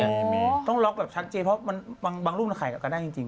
ไม่มีต้องล็อคแบบชักเจจริงที่มันบางรูปมันขายกับกันได้จริง